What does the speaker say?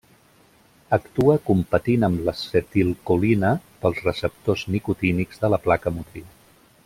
Actua competint amb l'acetilcolina pels receptors nicotínics de la placa motriu.